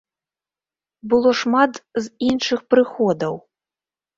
Было шмат з іншых прыходаў.